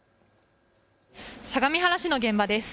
相模原市の現場です。